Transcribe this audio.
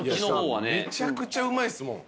めちゃくちゃうまいっすもん。